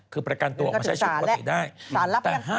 เป็นศาลเล้น